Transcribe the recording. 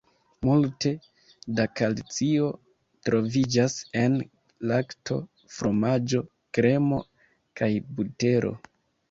Multe da kalcio troviĝas en lakto, fromaĝo, kremo kaj butero.